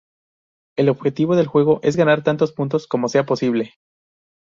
El objetivo del juego es ganar tantos puntos como sea posible.